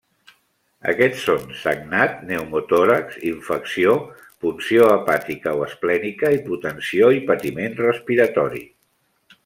Aquests són: sagnat, pneumotòrax, infecció, punció hepàtica o esplènica, hipotensió i patiment respiratori.